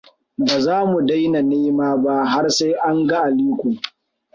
Ba za mu daina nema ba, har sai anga Aliko.